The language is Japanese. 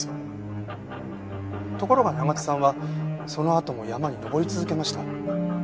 ところが長津さんはそのあとも山に登り続けました。